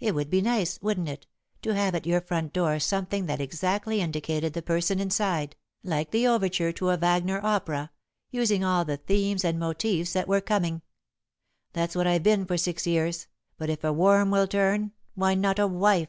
It would be nice, wouldn't it, to have at your front door something that exactly indicated the person inside, like the overture to a Wagner opera, using all the themes and motifs that were coming? That's what I've been for six years, but, if a worm will turn, why not a wife?"